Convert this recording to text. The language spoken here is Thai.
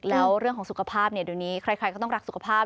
แล้วเรื่องของสุขภาพเนี่ยเดี๋ยวนี้ใครก็ต้องรักสุขภาพ